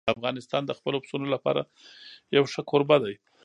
افغانستان د خپلو پسونو لپاره یو ښه کوربه دی.